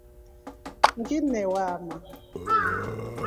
Ngine waama.